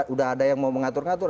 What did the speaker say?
udah ada yang mau mengatur ngatur